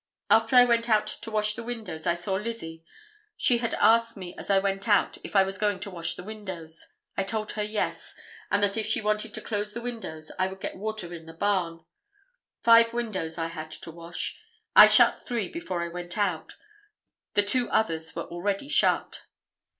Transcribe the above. After I went out to wash the windows I saw Lizzie; she had asked me as I went out if I was going to wash the windows; I told her yes, and that if she wanted to close the windows I would get water in the barn; five windows I had to wash; I shut three before I went out, and two others were already shut.